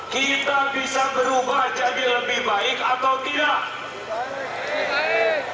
kita bisa berubah jadi lebih baik atau tidak